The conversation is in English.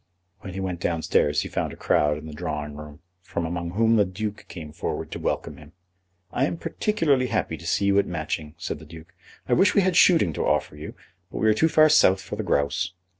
When he went downstairs he found a crowd in the drawing room, from among whom the Duke came forward to welcome him. "I am particularly happy to see you at Matching," said the Duke. "I wish we had shooting to offer you, but we are too far south for the grouse.